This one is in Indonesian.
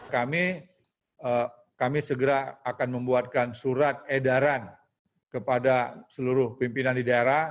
kami kami segera akan membuatkan surat edaran kepada seluruh pimpinan di daerah